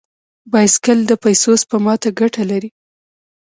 بایسکل د پیسو سپما ته ګټه لري.